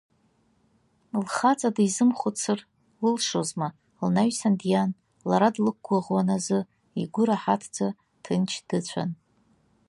Лхаҵа дизымхәыцыр лылшозма, лнаҩсан диан, лара длықәгәыӷуан азы, игәы раҳаҭӡа ҭынч дыцәан.